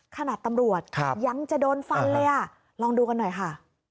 ขนาดตำรวจยังจะโดนฟันเลยอ่ะลองดูกันหน่อยค่ะ